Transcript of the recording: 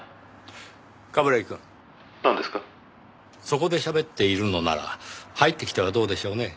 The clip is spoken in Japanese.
そこでしゃべっているのなら入ってきてはどうでしょうね。